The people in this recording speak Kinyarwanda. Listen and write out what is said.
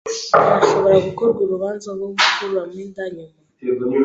Harashobora gukorwa urubanza rwo gukuramo inda nyuma?